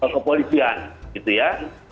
kepolisian gitu ya